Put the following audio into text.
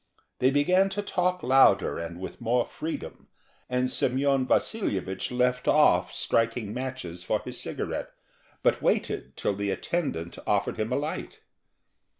They began to talk louder and with more freedom, and Semyon Vasilyevich left off striking matches for his cigarette, but waited till the attendant offered him a light.